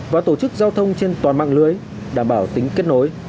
và tổ chức giao thông trên toàn mạng lưới đảm bảo tính kết nối